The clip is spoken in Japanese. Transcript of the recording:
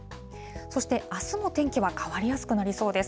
そしてあすも天気は変わりやすくなりそうです。